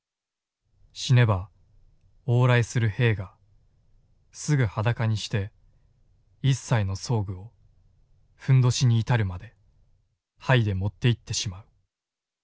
死ねば往来する兵がすぐ裸にして一切の装具を褌に至る迄はいで持っていってしまう。